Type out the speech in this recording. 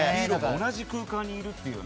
同じ空間にいるという。